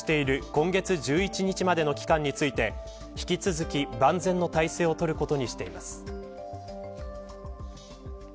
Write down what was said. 今月１１日までの期間について引き続き万全の態勢をとることにしています。